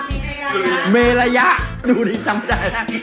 สุรามไม่ใช่ว่าเมรยะดูดิจำได้